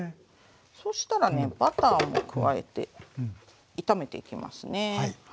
そしたらねバターも加えて炒めていきますね。